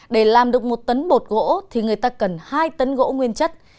để làm được một tấn bột gỗ thì người ta cần hai tấn gỗ nguyên chất